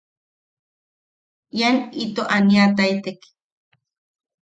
Ian ito aniataitek.